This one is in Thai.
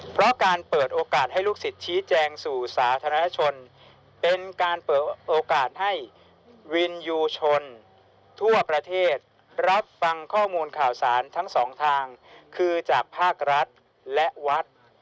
เพราะการเปิดโอกาสให้ลูกศิษย์ชี้แจงสู่สาธารณชนเป็นการเปิดโอกาสให้วินยูชนทั่วประเทศรับฟังข้อมูลข่าวสารทั้งสองทางคือจากภาครัฐและวัด